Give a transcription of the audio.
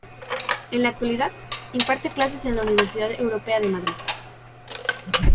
En la actualidad, imparte clases en la Universidad Europea de Madrid.